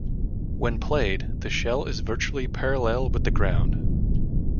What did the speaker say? When played, the shell is virtually parallel with the ground.